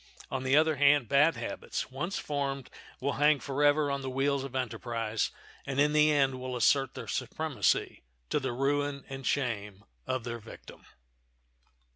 On the other hand, bad habits, once formed, will hang forever on the wheels of enterprise, and in the end will assert their supremacy, to the ruin and shame of their victim.